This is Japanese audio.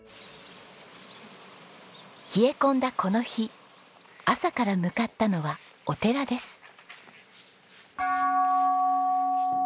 冷え込んだこの日朝から向かったのはお寺です。